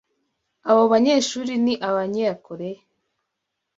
Abo banyeshuri ni Abanyakoreya.